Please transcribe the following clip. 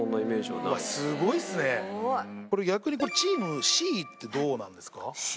すごいっすねこれ逆にチームＣってどうなんですか？